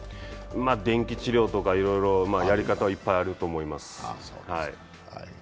電気治療とかいろいろやり方はいっぱいあると思います。